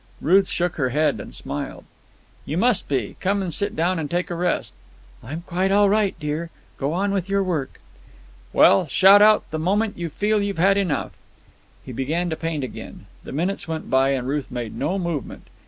Ruth shook her head and smiled. "You must be. Come and sit down and take a rest." "I'm quite all right, dear. Go on with your work." "Well, shout out the moment you feel you've had enough." He began to paint again. The minutes went by and Ruth made no movement.